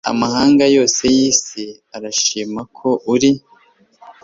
amahanga yose y'isi, arashima ko uri